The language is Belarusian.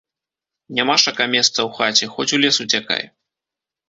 Нямашака месца ў хаце, хоць у лес уцякай.